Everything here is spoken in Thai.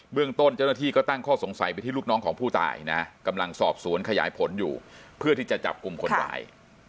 เรื่องต้นเจ้าหน้าที่ก็ตั้งข้อสงสัยไปที่ลูกน้องของผู้ตายนะกำลังสอบสวนขยายผลอยู่เพื่อที่จะจับกลุ่มคนร้าย